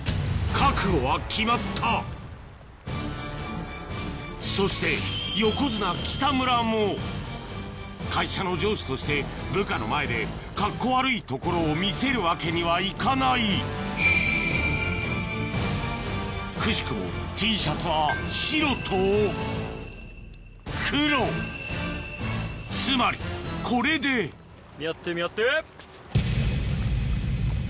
覚悟は決まったそして横綱北村も会社の上司として部下の前でカッコ悪いところを見せるわけにはいかないくしくもＴシャツはつまりこれで見合って見合って。